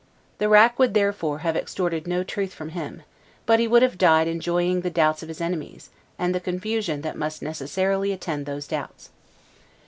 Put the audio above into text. The rack would, therefore, have extorted no truth from him; but he would have died enjoying the doubts of his enemies, and the confusion that must necessarily attend those doubts.